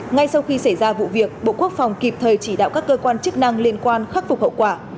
ngay sau khi xảy ra vụ việc bộ quốc phòng kịp thời chỉ đạo các cơ quan chức năng liên quan khắc phục hậu quả